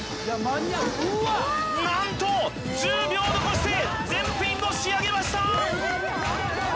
なんと１０秒残して全品を仕上げました！